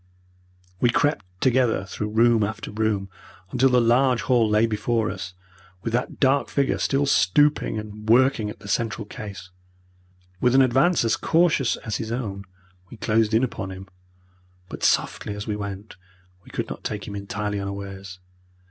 We crept together through room after room, until the large hall lay before us, with that dark figure still stooping and working at the central case. With an advance as cautious as his own we closed in upon him, but softly as we went we could not take him entirely unawares.